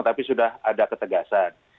tapi sudah ada ketegasan